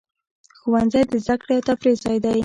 ښوونځی د زده کړې او تفریح ځای دی.